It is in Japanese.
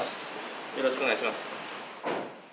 よろしくお願いします。